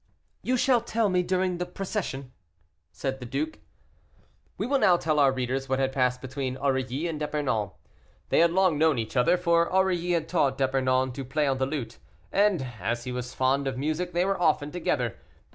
"You shall tell me during the procession," said the duke. We will now tell our readers what had passed between Aurilly and D'Epernon. They had long known each other, for Aurilly had taught D'Epernon to play on the lute, and, as he was fond of music, they were often together.